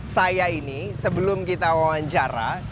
saya ini sebelum kita wawancara